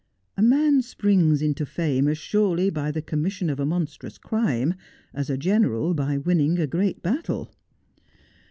A man springs into fame as surely by the commission of a monstrous crime as a general by winning a great battle.